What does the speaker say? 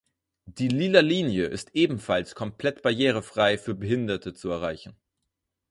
Die lila Linie ist ebenfalls komplett barrierefrei für Behinderte zu erreichen.